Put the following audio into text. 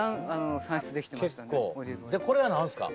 これは何ですか？